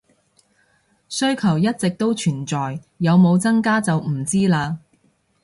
需求一直都存在，有冇增加就唔知喇